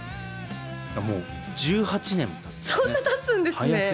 もう１８年もたつんですね。